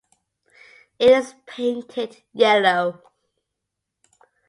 It is painted yellow.